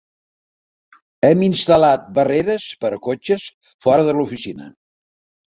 Hem instal·lat barreres per a cotxes fora de l'oficina.